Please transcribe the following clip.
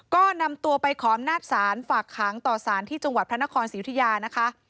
ก็นำตัวไปคอมนาฏศาสตร์ฝากค้างต่อสารที่จังหวัดพระนครสิริยานะคะ